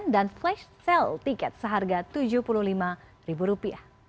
dan flash sale tiket seharga rp tujuh puluh lima